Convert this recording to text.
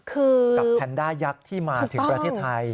คือกับแพนด้ายักษ์ที่มาถึงประเทศไทย